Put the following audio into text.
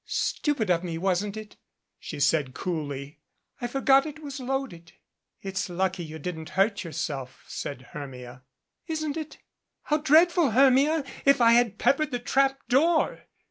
"Stupid of me, wasn't it?" she said coolly. "I for got it was loaded." "It's lucky you didn't hurt yourself," said Hermia. "Isn't it? Plow dreadful, Hermia, if I had peppered the trap door!"